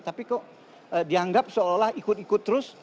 tapi kok dianggap seolah olah ikut ikut terus